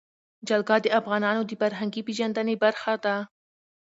جلګه د افغانانو د فرهنګي پیژندنې برخه ده.